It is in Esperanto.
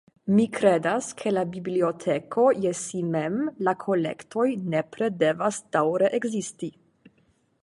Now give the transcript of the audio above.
Mi kredas ke la biblioteko je si mem, la kolektoj, nepre devas daŭre ekzisti.